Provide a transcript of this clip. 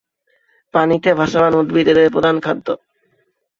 পানিতে ভাসমান উদ্ভিদ এদের প্রধান খাদ্য।